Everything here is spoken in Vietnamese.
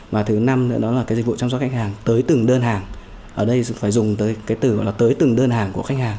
và thứ năm nữa đó là cái dịch vụ chăm sóc khách hàng tới từng đơn hàng